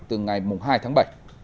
từ ngày hai tháng bảy